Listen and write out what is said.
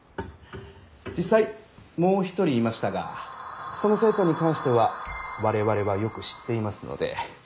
実際もう一人いましたがその生徒に関しては我々はよく知っていますので。